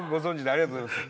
ありがとうございます。